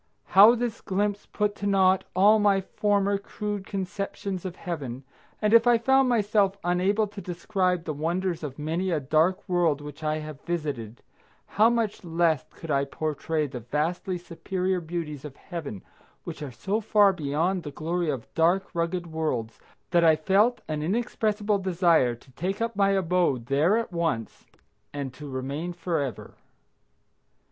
How this glimpse put to naught all my former crude conceptions of Heaven, and if I found myself unable to describe the wonders of many a dark world which I have visited, how much less could I portray the vastly superior beauties of Heaven which are so far beyond the glory of dark, rugged worlds that I felt an inexpressible desire to take up my abode there at once and to remain forever.